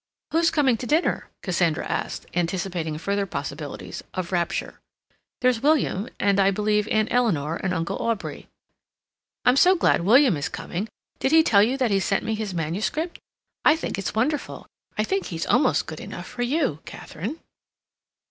"Who's coming to dinner?" Cassandra asked, anticipating further possibilities of rapture. "There's William, and, I believe, Aunt Eleanor and Uncle Aubrey." "I'm so glad William is coming. Did he tell you that he sent me his manuscript? I think it's wonderful—I think he's almost good enough for you, Katharine."